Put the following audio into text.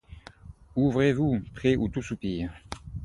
Ouvrez-vous, prés où tout soupire ;